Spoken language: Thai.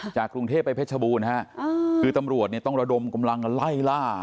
จากกรุงเทพไปเพชรบูรณฮะคือตำรวจเนี่ยต้องระดมกำลังกันไล่ล่า